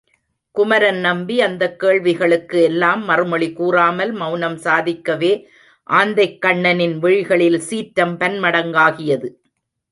குமரன் நம்பி அந்தக் கேள்விகளுக்கு எல்லாம் மறுமொழி கூறாமல் மெளனம் சாதிக்கவே ஆந்தைக்கண்ணனின் விழிகளில் சீற்றம் பன்மடங்காகியது.